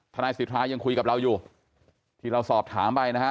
นายสิทธายังคุยกับเราอยู่ที่เราสอบถามไปนะฮะ